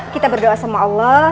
kita berdoa sama allah